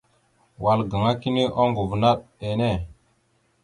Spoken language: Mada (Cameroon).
Wal gaŋa kini oŋgov naɗ enne.